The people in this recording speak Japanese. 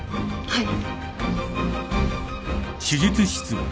はい。